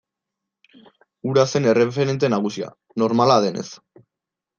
Hura zen erreferente nagusia, normala denez.